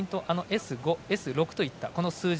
Ｓ５、Ｓ６といった数字。